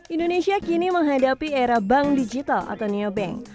indonesia kini menghadapi era bank digital atau neobank